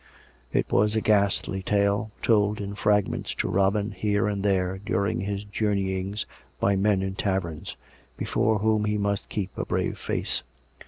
It was a ghastly tale, told in fragments to Robin here and there during his journey ings by men in taverns, before whom he must keep a brave face.